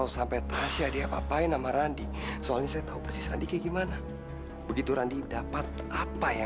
sampai jumpa di video selanjutnya